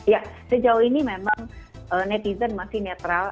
ya sejauh ini memang netizen masih netral